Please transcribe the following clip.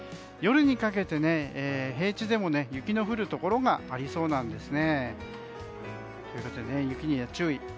夜にかけて平地でも雪の降るところがありそうなんですね。ということで雪に注意。